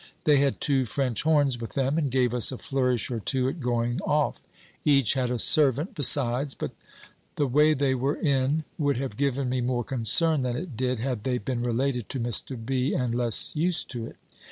They had two French horns with them, and gave us a flourish or two at going off. Each had a servant besides: but the way they were in would have given me more concern than it did, had they been related to Mr. B. and less used to it.